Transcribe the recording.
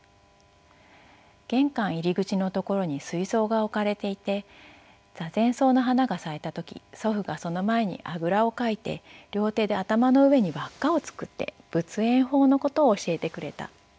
「玄関入り口のところに水槽が置かれていてザゼンソウの花が咲いた時祖父がその前にあぐらをかいて両手で頭の上に輪っかを作って仏炎苞のことを教えてくれた。